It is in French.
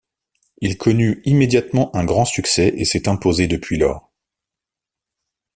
Il connut immédiatement un grand succès et s'est imposé depuis lors.